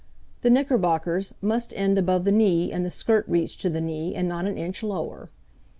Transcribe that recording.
The knickerbockers must end above the knee and the skirt reach to the knee, and not an inch lower.